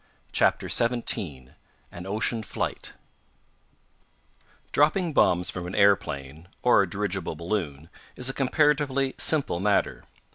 CHAPTER XVII AN OCEAN FLIGHT Dropping bombs from an aeroplane, or a dirigible balloon, is a comparatively simple matter.